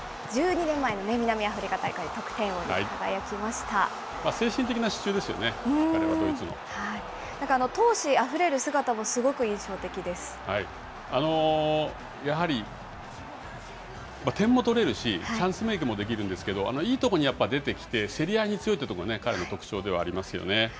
１２年前の南アフリカ大会、得点精神的な支柱ですよね、彼は闘志あふれる姿もすごく印象やはり点も取れるし、チャンスメークもできるんですけど、いいとこにやっぱり出てきて、競り合いに強いというところが彼の特徴ではありますよね。